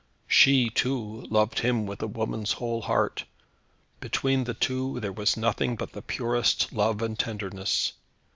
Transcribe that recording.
She, too, loved him with a woman's whole heart. Between the two there was nothing but the purest love and tenderness.